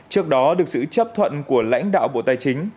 trước đó được sự chấp thuận của lãnh đạo bộ tài chính